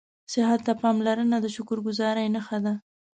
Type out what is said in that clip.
صحت ته پاملرنه د شکرګذارۍ نښه ده